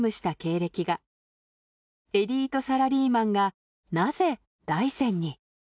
エリートサラリーマンがなぜ大山に？